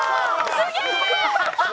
「すげえ！」